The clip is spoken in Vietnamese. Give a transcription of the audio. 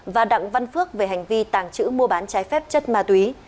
và đặng văn phước về hành vi tàng trữ mua bán trái phép chất ma túy